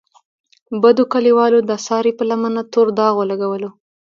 بدو کلیوالو د سارې په لمنه تور داغ ولګولو.